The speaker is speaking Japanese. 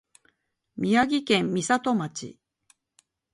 宮城県美里町